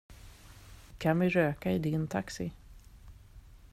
Kan vi röka i din taxi?